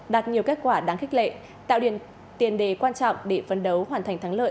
đạt nhiều kết quả đáng khích lệ tạo điền tiền đề quan trọng để phấn đấu hoàn thành thắng lợi